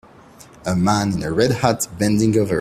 A man in a red hat bending over.